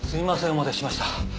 お待たせしました。